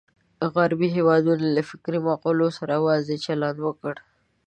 غربي هېوادونو له فکري مقولو سره اوزاري چلند وکړ.